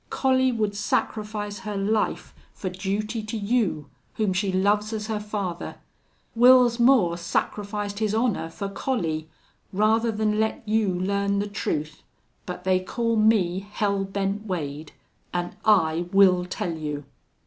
Collie would sacrifice her life for duty to you whom she loves as her father. Wils Moore sacrificed his honor for Collie rather than let you learn the truth.... But they call me Hell Bent Wade, an' I will tell you!"